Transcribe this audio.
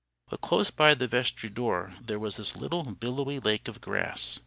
But close by the vestry door, there was this little billowy lake of grass.